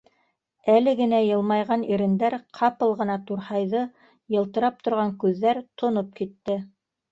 Әле генә йылмайған ирендәр ҡапыл ғына турһайҙы, йылтырап торған күҙҙәр тоноп китте.